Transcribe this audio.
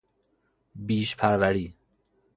بیش پروری